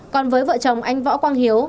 còn với vợ chồng anh võ quang hiệp